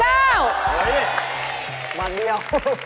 เฮ้ยมันเดียว